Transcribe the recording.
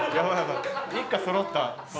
一家そろった！